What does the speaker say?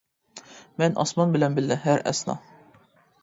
مەن ئاسمان بىلەن بىللە ھەر ئەسنا.